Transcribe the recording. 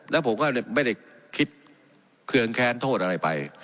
แล้วผมก็ไม่ได้คิดเคืองแค้นโทษอะไรไป